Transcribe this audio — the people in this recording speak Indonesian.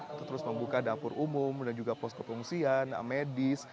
untuk terus membuka dapur umum dan juga posko pengungsian medis